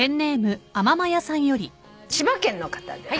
千葉県の方です。